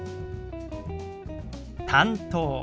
「担当」。